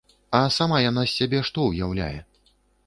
А сама яна з сябе што ўяўляе?